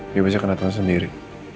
dia pasti akan datang sendiri